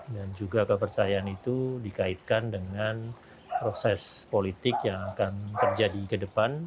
dan juga kepercayaan itu dikaitkan dengan proses politik yang akan terjadi ke depan